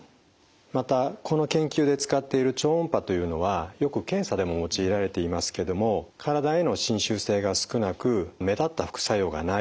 またこの研究で使っている超音波というのはよく検査でも用いられていますけども体への侵襲性が少なく目立った副作用がない。